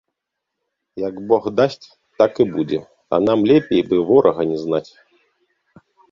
Як бог дасць, так і будзе, а нам лепей бы ворага не знаць.